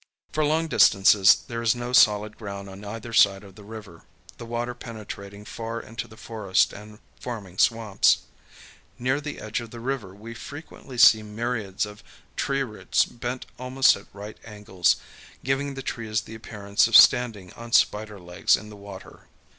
For long distances there is no solid ground on either side of the river, the water penetrating far into the forest and forming swamps. Near the edge of the river we frequently see myriads of tree roots bent almost at right angles,[Pg 119] giving the trees the appearance of standing on spider legs in the water.